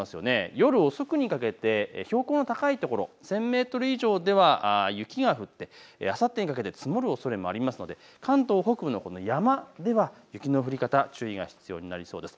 夜遅くにかけて標高が高いところ１０００メートル以上では雪が降って、あさってにかけて積もるおそれもありますので関東北部の山では雪の降り方、注意が必要になりそうです。